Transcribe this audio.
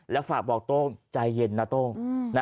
แล้วฝากบอกโต้งใจเย็นนะโต้ง